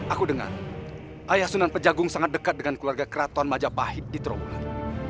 aku dengar ayah sunan pejagung sangat dekat dengan keluarga keraton majapahit di trawulan